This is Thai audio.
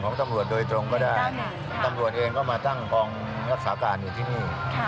ตำรวจโดยตรงก็ได้ตำรวจเองก็มาตั้งกองรักษาการอยู่ที่นี่